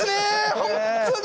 本当に。